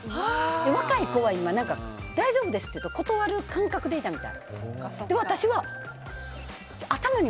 若い子は「大丈夫です」というと断る感覚でいたみたい。